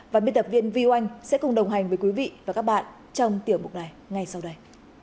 và biên tập viên vi oanh sẽ cùng đồng hành với quý vị và các bạn trong tiểu mục này ngay sau đây